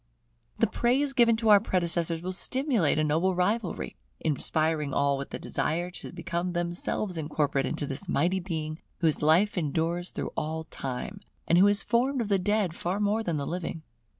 The praise given to our predecessors will stimulate a noble rivalry; inspiring all with the desire to become themselves incorporate into this mighty Being whose life endures through all time, and who is formed of the dead far more than the living.